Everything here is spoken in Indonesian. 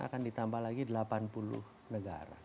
akan ditambah lagi delapan puluh negara